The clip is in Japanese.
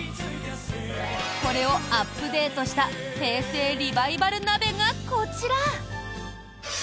これをアップデートした平成リバイバル鍋がこちら。